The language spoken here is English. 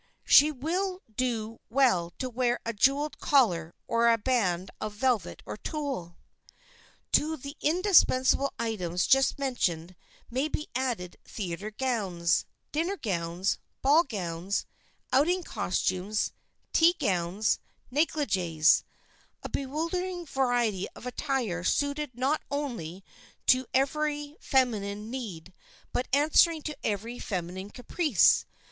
She will do well to wear a jeweled collar or a band of velvet or tulle. [Sidenote: WHAT IS FULL DRESS] To the indispensable items just mentioned may be added theater gowns, dinner gowns, ball gowns, outing costumes, tea gowns, negligees,—a bewildering variety of attire suited not only to every feminine need but answering to every feminine caprice.